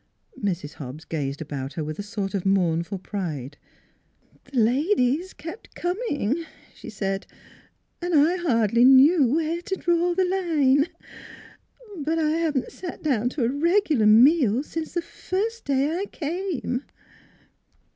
Mrs. Hobbs gazed about her with a sort of mournful pride. ' The ladies kep' a coming," she said, " an' I hardly knew where to draw the line. But I haven't sat down to a regular meal since the first day I came."